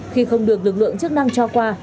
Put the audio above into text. khi không được lực lượng chức năng cho qua